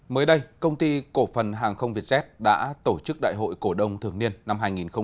mới đây công ty cổ phần hàng không vietjet đã tổ chức đại hội cổ đông thường niên năm hai nghìn hai mươi bốn